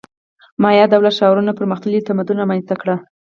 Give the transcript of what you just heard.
مایا دولت ښارونو پرمختللی تمدن رامنځته کړ